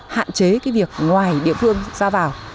hạn chế cái việc ngoài địa phương ra vào